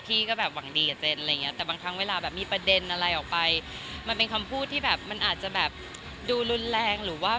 พี่ก็แบบหวังดีกับเจนอะไรอย่างเงี้ยแต่บางครั้งเวลา